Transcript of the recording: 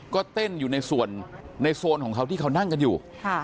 ก็เต้นอยู่ในส่วนในโซนของเขาที่เขานั่งกันอยู่